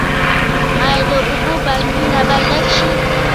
آیا د اوبو بندونه به ډک شي؟